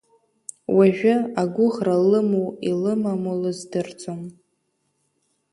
Уажәы агәыӷра лымоу илымаму лыздырӡом.